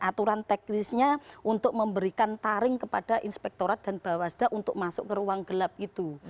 aturan teknisnya untuk memberikan taring kepada inspektorat dan bawasda untuk masuk ke ruang gelap itu